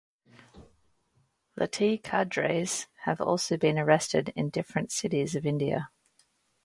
LeT cadres have also been arrested in different cities of India.